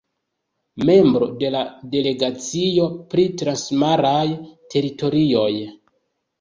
Membro de la delegacio pri transmaraj teritorioj.